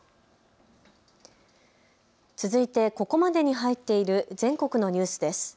続いてここまでに入っている全国のニュースです。